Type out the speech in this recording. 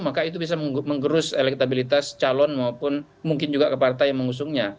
maka itu bisa menggerus elektabilitas calon maupun mungkin juga ke partai yang mengusungnya